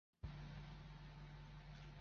江西辛卯乡试。